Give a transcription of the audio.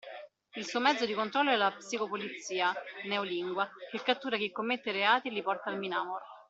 Il suo mezzo di controllo è la Psicopolizia (Neolingua) che cattura chi commette reati e li porta al MinAmor.